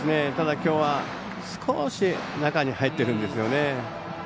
きょうは少し中に入ってるんですよね。